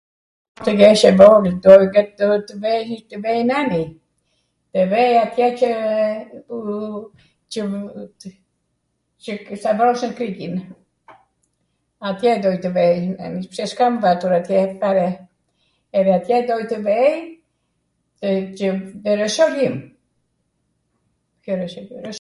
tw jesh e vogwl, duhet tw vej, tw vej nani, tw vej atje qw qw stavroswn kriqin, atje doj tw vej, pse s'kam vatur atje fare, edhe atje doj tw vej, qw ... Jerusalim, Jerusalim...